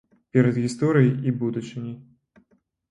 Перад гісторыяй і будучыняй.